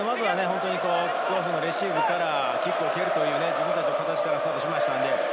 キックオフのレシーブからキックを蹴るという自分たちの形からスタートしました。